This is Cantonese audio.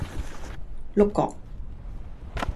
碌葛